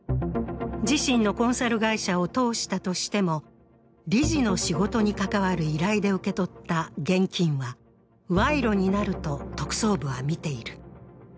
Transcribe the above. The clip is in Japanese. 自身のコンサル会社を通したとしも理事に関わる依頼で受け取った現金は、賄賂になると特捜部はみている。